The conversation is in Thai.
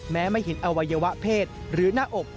ไม่เห็นอวัยวะเพศหรือหน้าอก